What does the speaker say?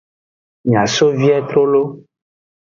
Mia so vie trolo.